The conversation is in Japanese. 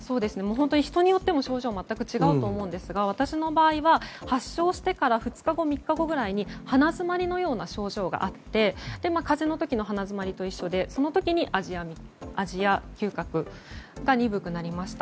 人によっても症状が全く違うと思うんですが私の場合は発症してから２日後、３日後ぐらいに鼻詰まりのような症状があって風邪の時の鼻詰まりと一緒でその時に味や嗅覚が鈍くなりました。